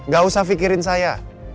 gak usah fikirin saya